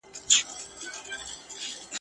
خو ملاتړ یې ځکه کوم چي ..